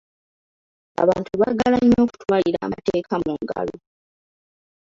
Abantu baagala nnyo okutwalira amateeka mu ngalo.